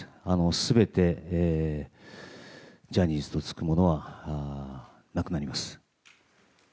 全てジャニーズとつくものはなくなります。